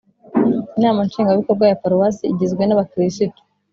Inama Nshingwabikorwa ya Paruwase igizwe nabakirisitu